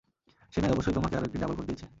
শেনয় অবশ্যই তোমাকে আরো একটি ডাবল কোড দিয়েছে।